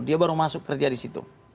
dia baru masuk kerja di situ